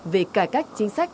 về cải cách chính sách